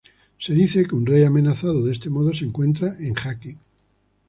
Se dice que un rey amenazado de este modo se encuentra "en jaque".